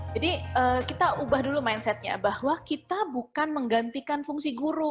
jadi kita ubah dulu mindsetnya bahwa kita bukan menggantikan fungsi guru